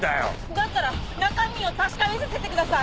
だったら中身を確かめさせてください！